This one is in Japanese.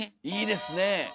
いいですねえ！